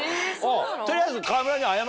取りあえず。